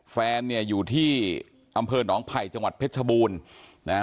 แฟนเนี่ยอยู่ที่อำเภอหนองไผ่จังหวัดเพชรชบูรณ์นะฮะ